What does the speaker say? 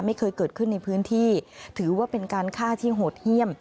ไม่เคยเกิดขึ้นในพื้นที่ถือว่าเป็นการฆ่าที่โหดเยี่ยม